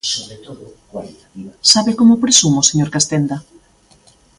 ¿Sabe como presumo, señor Castenda?